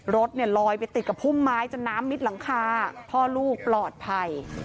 รถเนี่ยลอยไปติดกับพุ่มไม้จนน้ำมิดหลังคาพ่อลูกปลอดภัย